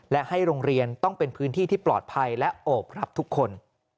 และให้โรงเรียนต้องเป็นพื้นที่ที่ปลอดภัยและโอบรับทุกคน